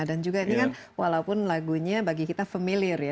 dan juga ini kan walaupun lagunya bagi kita familiar ya